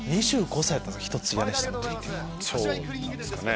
そうなんですかね